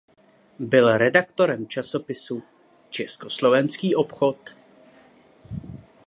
Byl redaktorem časopisu "Československý obchod".